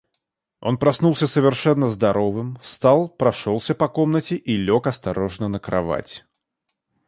Он проснулся совершенно здоровым, встал, прошелся по комнате и лег осторожно на кровать.